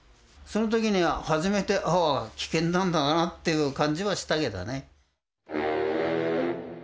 その時に初めてああ危険なんだなという感じはしたけどね。